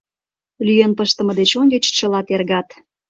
— Лӱен пыштыме деч ончыч чыла тергат.